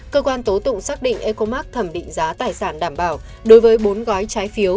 cơ quan tố tụng xác định ecomax thẩm định giá tài sản đảm bảo đối với bốn gói trái phiếu